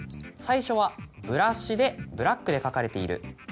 最初は「ブラシ」で「ブラック」で書かれている。